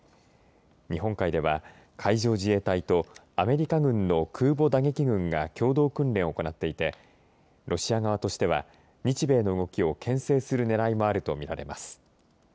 日本海では、海上自衛隊とアメリカ軍の空母打撃群が共同訓練を行っていてロシア側としては日米の動きをけん制する狙いもあるとみられます。